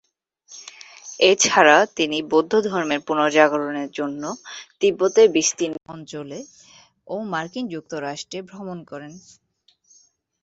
এছাড়া তিনি বৌদ্ধ ধর্মের পুনর্জাগরণের জন্য তিব্বতের বিস্তীর্ণ অঞ্চলে ও মার্কিন যুক্তরাষ্ট্রে ভ্রমণ করেন।